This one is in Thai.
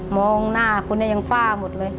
มองหน้าคนนี้ยังฝ้าหมดเลย